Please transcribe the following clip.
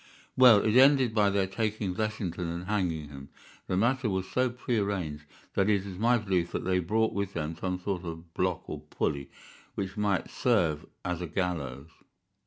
"Well, it ended by their taking Blessington and hanging him. The matter was so prearranged that it is my belief that they brought with them some sort of block or pulley which might serve as a gallows.